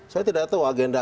saya tidak tahu agenda